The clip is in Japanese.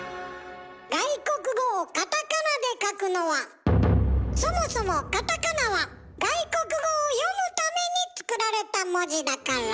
外国語をカタカナで書くのはそもそもカタカナは外国語を読むために作られた文字だから。